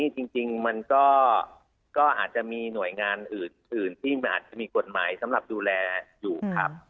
จริงมันก็อาจจะมีหน่วยงานอื่นที่มันอาจจะมีกฎหมายสำหรับดูแลอยู่ครับ